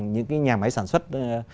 những cái nhà máy sản xuất